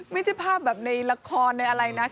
ไม่ใช่ภาพแบบในละครในอะไรนะ